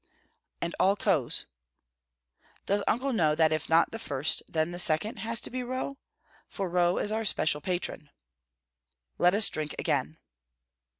"And all Rohs?" "Does Uncle know that if not the first, then the second, has to be Roh? for Roh is our special patron." "Let us drink again."